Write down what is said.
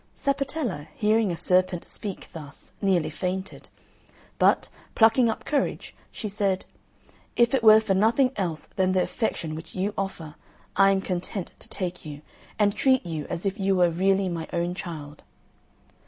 Sapatella, hearing a serpent speak thus, nearly fainted; but, plucking up courage, she said, "If it were for nothing else than the affection which you offer, I am content to take you, and treat you as if you were really my own child."